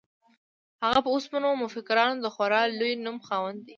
هغه په اوسنیو مفکرانو کې د خورا لوی نوم خاوند دی.